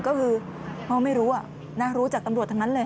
ก็คือพ่อไม่รู้รู้จากตำรวจทั้งนั้นเลย